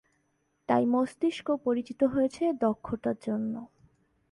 তাই মস্তিষ্ক পরিচিত হয়েছে এর দক্ষতার জন্য।